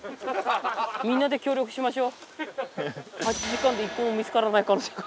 みんなで協力しましょ。